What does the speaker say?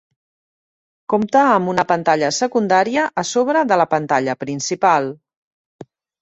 Compta amb una pantalla secundària a sobre de la pantalla principal.